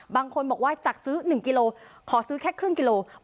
บางคนบอกว่าจากซื้อ๑กิโลขอซื้อแค่ครึ่งกิโล